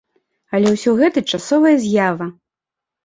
Але ўсё гэта часовая з'ява.